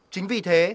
chính vì thế